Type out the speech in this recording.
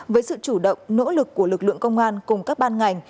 với sự chủ động nỗ lực của lực lượng công an cùng các ban ngành